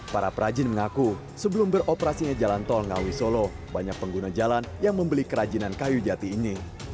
para perajin mengaku sebelum beroperasinya jalan tol ngawi solo banyak pengguna jalan yang membeli kerajinan kayu jati ini